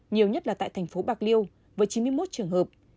nhiều nhất là tại thành phố bạc liêu với chín mươi một trường hợp